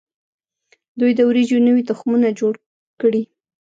دوی د وریجو نوي تخمونه جوړ کړي.